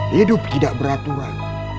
hidup tidak beraturan